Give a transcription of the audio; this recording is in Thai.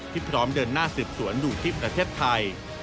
พร้อมเดินหน้าสืบสวนดูที่ประเทศไทย